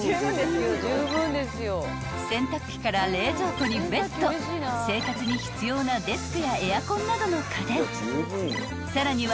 ［洗濯機から冷蔵庫にベッド生活に必要なデスクやエアコンなどの家電さらにはカーテンまで備え付け］